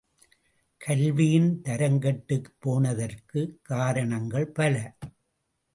கல்வியின் தரங்கெட்டுப் போனதற்குக் காரணங்கள் பல.